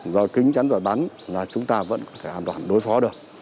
rồi kính chắn và bắn là chúng ta vẫn có thể an toàn đối phó được